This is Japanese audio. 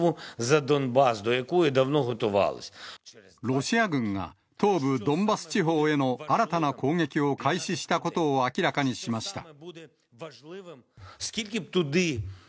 ロシア軍が東部ドンバス地方への新たな攻撃を開始したことを明らかにしました。